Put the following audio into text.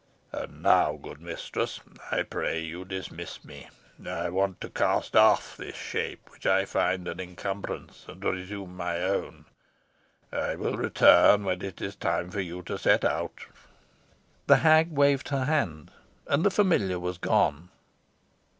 And now, good mistress, I pray you dismiss me. I want to cast off this shape, which I find an incumbrance, and resume my own. I will return when it is time for you to set out." The hag waved her hand, and the familiar was gone.